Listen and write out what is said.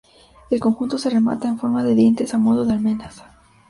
El conjunto se remata en forma de dientes a modo de almenas.